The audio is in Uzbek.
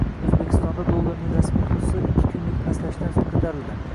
O‘zbekistonda dollarning rasmiy kursi ikki kunlik pastlashdan so‘ng ko‘tarildi